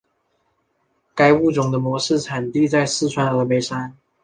该物种的模式产地在四川峨眉山。